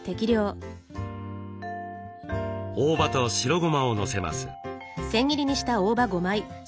大葉と白ごまをのせます。